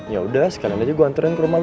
yaudah sekalian aja gue anterin ke rumah lo